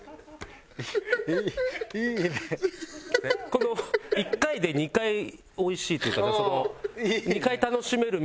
この１回で２回おいしいというか２回楽しめるみたいなね。